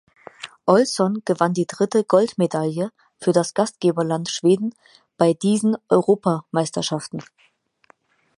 Olsson gewann die dritte Goldmedaille für das Gastgeberland Schweden bei diesen Europameisterschaften.